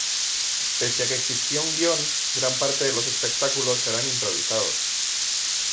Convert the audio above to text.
Pese a que existía un guion, gran parte de los espectáculos eran improvisados.